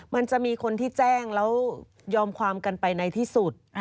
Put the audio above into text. มันจะมีคนที่แจ้งแล้วยอมความกันไปในที่สุด